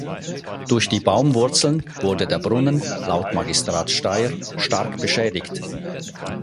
Durch die Baumwurzeln wurde der Brunnen, laut Magistrat Steyr, stark beschädigt.